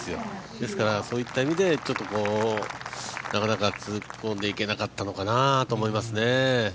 ですから、なかなか突っ込んでいけなかったのかなと思いますね。